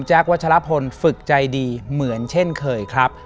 วัชลพลฝึกใจดีเหมือนเช่นเคยครับ